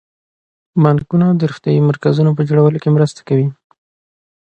بانکونه د روغتیايي مرکزونو په جوړولو کې مرسته کوي.